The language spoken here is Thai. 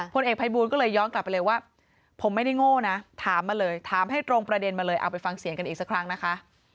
เอกภัยบูลก็เลยย้อนกลับไปเลยว่าผมไม่ได้โง่นะถามมาเลยถามให้ตรงประเด็นมาเลยเอาไปฟังเสียงกันอีกสักครั้งนะคะ